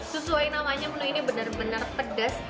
sesuai namanya menu ini benar benar pedas